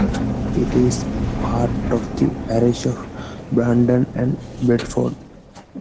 It is part of the parish of Brandon and Bretford.